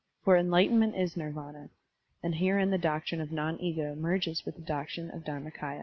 For enlightenment is Nirvdna; and herein the doctrine of non ego merges with the doctrine of Dharmak^ya.